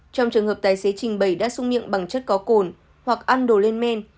trong trường hợp tài xế trình bày đã sung miệng bằng chất có cồn hoặc ăn đồ lên men